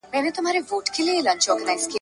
فکر و هوش و جزبات سي خود مختاره